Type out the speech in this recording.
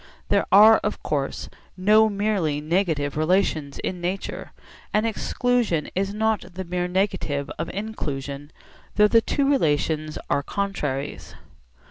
There are of course no merely negative relations in nature, and exclusion is not the mere negative of inclusion, though the two relations are contraries.